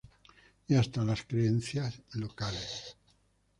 Y hasta las creencias locales".